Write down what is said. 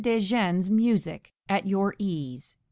de Jean's music at your ease.